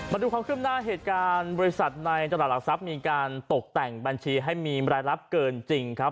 มาดูความขึ้นหน้าเหตุการณ์บริษัทในตลาดหลักทรัพย์มีการตกแต่งบัญชีให้มีรายรับเกินจริงครับ